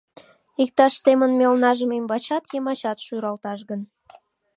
Иктаж семын мелнажым, ӱмбачат, йымачат шӱралташ гын...